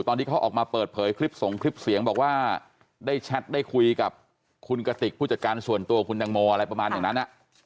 ตอนที่เขาออกมาเปิดเผยคลิปส่งคลิปเสียงบอกว่าได้แชทได้คุยกับคุณกติกผู้จัดการส่วนตัวคุณตังโมอะไรประมาณอย่างนั้น